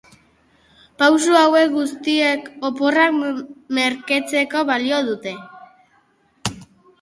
Pausu hauek guztiek oporrak merketzeko balio dute.